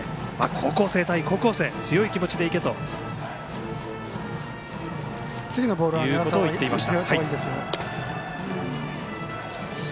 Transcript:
高校生対高校生強い気持ちでいけということを言っていました。